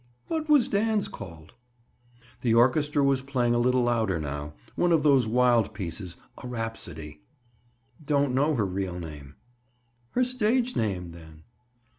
"What was Dan's called?" The orchestra was playing a little louder now—one of those wild pieces—a rhapsody! "Don't know her real name." "Her stage name, then?"